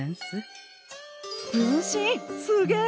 すげえ！